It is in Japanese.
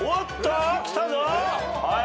はい。